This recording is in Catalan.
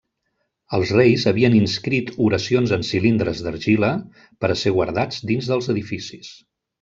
Els reis havien inscrit oracions en cilindres d'argila per a ser guardats dins dels edificis.